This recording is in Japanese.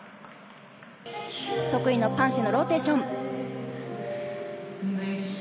得意のパンシェのローテーション。